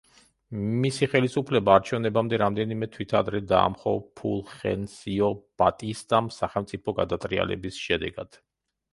მისი ხელისუფლება არჩევნებამდე რამდენიმე თვით ადრე დაამხო ფულხენსიო ბატისტამ სახელმწიფო გადატრიალების შედეგად.